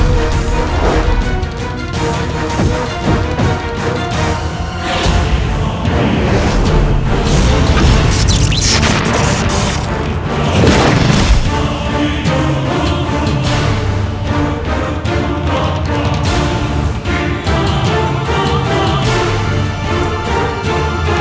jangan asal memfitnahku